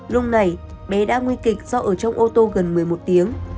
lúc này bé đã nguy kịch do ở trong ô tô gần một mươi một tiếng